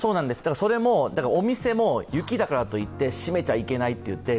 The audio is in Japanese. それもお店も雪だからといって閉めちゃいけないと。